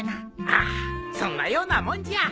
ああそんなようなもんじゃ。